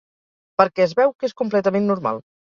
Perquè es veu que és completament normal.